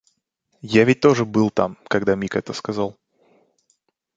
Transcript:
Я ведь тоже был там, когда Мик это сказал.